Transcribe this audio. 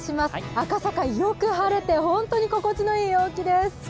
赤坂、よく晴れて、ホントに心地いい陽気です。